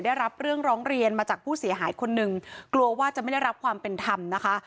ได้รับเรื่องร้องเรียนมาจากผู้เสียหายคนหนึ่งกลัวว่าจะไม่ได้รับความเป็นธรรมนะคะ